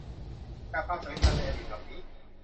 จากความสวยงามในอดีตเหล่านี้